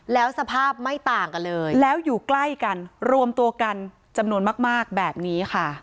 แล้วสภาพไม่ต่างกันเลยแล้วอยู่ใกล้กันรวมตัวกันจำนวนมากแบบนี้ค่ะ